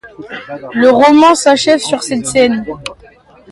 Le roman s'achève sur cette scène.